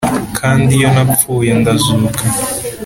kandi iyo napfuye ndazuka